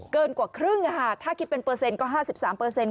เกินกว่าครึ่งถ้าคิดเป็นเปอร์เซ็นต์ก็๕๓เปอร์เซ็นต